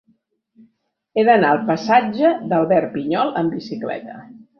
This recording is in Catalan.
He d'anar al passatge d'Albert Pinyol amb bicicleta.